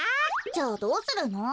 じゃあどうするの？